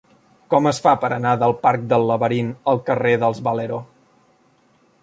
Com es fa per anar del parc del Laberint al carrer dels Valero?